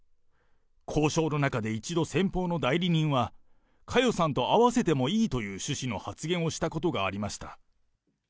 交渉の中で一度、先方の代理人は、佳代さんと会わせてもいいという趣旨の発言をしたことがありまし